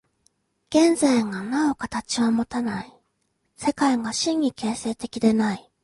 現在がなお形をもたない、世界が真に形成的でない。